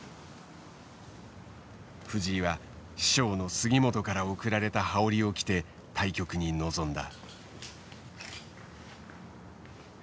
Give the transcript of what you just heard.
藤井は師匠の杉本から贈られた羽織を着て対局に臨んだ。